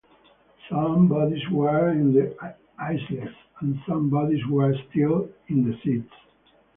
Some bodies were in the aisles, and some bodies were still in the seats.